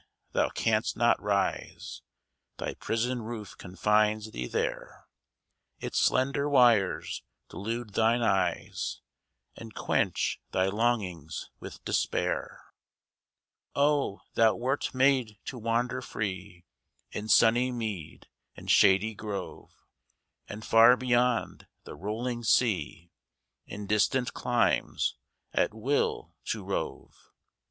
Thou canst not rise: Thy prison roof confines thee there; Its slender wires delude thine eyes, And quench thy longings with despair. Oh, thou wert made to wander free In sunny mead and shady grove, And far beyond the rolling sea, In distant climes, at will to rove!